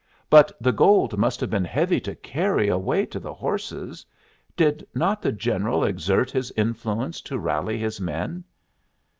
"But the gold must have been heavy to carry away to the horses. Did not the General exert his influence to rally his men?"